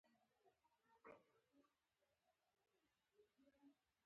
په فرانسه کې د کرنسۍ اصلاحاتو په پایله کې نوي فرانک چاپ شول.